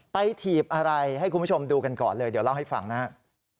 ถีบอะไรให้คุณผู้ชมดูกันก่อนเลยเดี๋ยวเล่าให้ฟังนะครับ